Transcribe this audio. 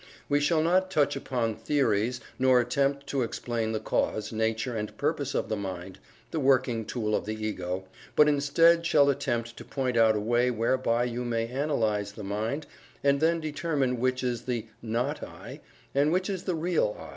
We shall not touch upon theories, nor attempt to explain the cause, nature and purpose of the Mind the working tool of the Ego but instead shall attempt to point out a way whereby you may analyze the Mind and then determine which is the "not I" and which is the real "I."